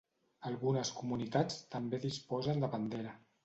Algunes comunitats també disposen de bandera.